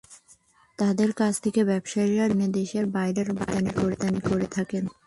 তাঁদের কাছ থেকে ব্যবসায়ীরা লেবু কিনে দেশের বাইরে রপ্তানি করে থাকেন।